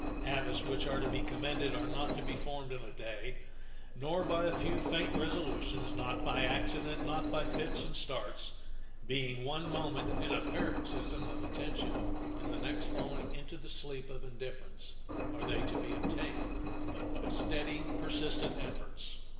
Habits which are to be commended are not to be formed in a day, nor by a few faint resolutions, not by accident, not by fits and starts—being one moment in a paroxysm of attention and the next falling into the sleep of indifference—are they to be obtained, but by steady, persistent efforts.